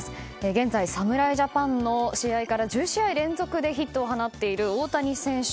現在、侍ジャパンの試合から１３試合連続でヒットを放っている大谷選手。